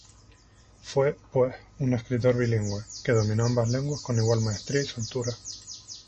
Fue, pues, un escritor bilingüe, que dominó ambas lenguas con igual maestría y soltura.